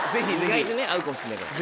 意外とね合うかもしれないから。